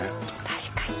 確かに。